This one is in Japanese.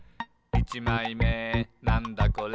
いちまいめなんだこれ？」